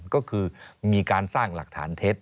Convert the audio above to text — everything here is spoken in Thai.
ก็คือมีการสร้างหลักฐานเท็จ